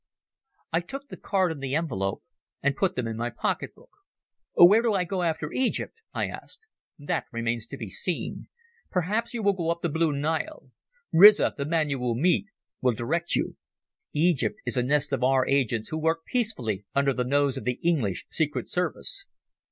I took the card and the envelope and put them in my pocket book. "Where do I go after Egypt?" I asked. "That remains to be seen. Probably you will go up the Blue Nile. Riza, the man you will meet, will direct you. Egypt is a nest of our agents who work peacefully under the nose of the English Secret Service."